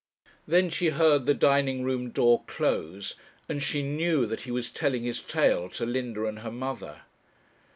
Then she heard the dining room door close, and she knew that he was telling his tale to Linda and her mother.